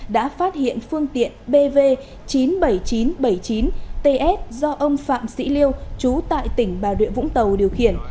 đã phát hiện phương tiện bv chín mươi bảy nghìn chín trăm bảy mươi chín ts do ông phạm sĩ liêu trú tại tỉnh bà rịa vũng tàu điều khiển